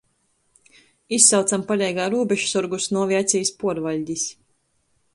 Izsaucam paleigā rūbežsorgus nu aviacejis puorvaļdis.